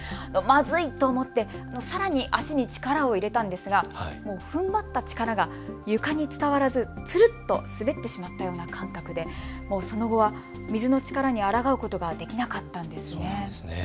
まずいと思ってさらに足に力を入れたんですがふんばった力が床に伝わらずすると滑ってしまったような感覚でその後は水の力にあらがうことはできなかったんです。